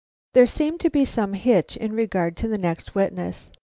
There seemed to be some hitch in regard to the next witness.